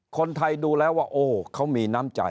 คนไทยดูแล้วว่าโอ้เขามีน้ำใจ